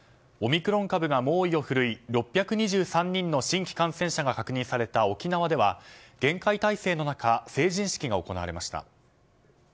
オミクロン株が猛威を振るい６２３人の新規感染者が確認された沖縄では厳戒態勢の中成人式が行われました。